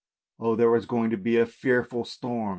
Oh, there was going to be a fearful storm!